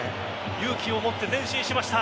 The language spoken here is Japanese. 勇気をもって前進しました。